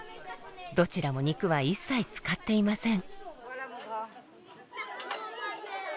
どちらも肉は一切使っていません。